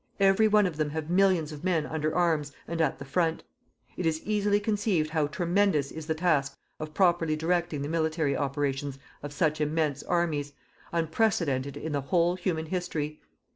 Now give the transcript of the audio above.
Every one of them have millions of men under arms and at the front. It is easily conceived how tremendous is the task of properly directing the military operations of such immense armies, unprecedented in the whole human history.